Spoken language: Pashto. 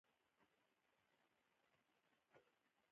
یو وخت داسې خبر راغی چې مېړه یې په غلا نیول شوی.